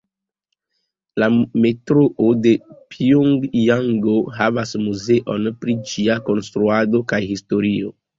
La Metroo de Pjongjango havas muzeon pri ĝia konstruado kaj historio.